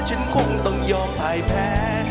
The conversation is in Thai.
ฉันคงต้องยอมพลายแผน